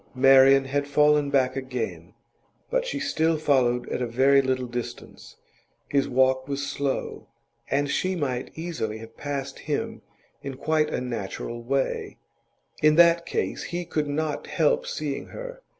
Marian had fallen back again, but she still followed at a very little distance. His walk was slow, and she might easily have passed him in quite a natural way; in that case he could not help seeing her.